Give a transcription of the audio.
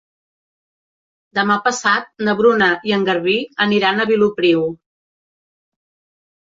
Demà passat na Bruna i en Garbí aniran a Vilopriu.